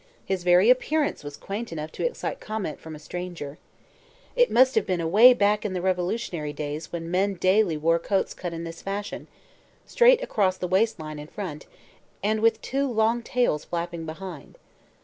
His very appearance was quaint enough to excite comment from a stranger. It must have been away back in the revolutionary days when men daily wore coats cut in this fashion, straight across the waist line in front and with two long tails flapping behind.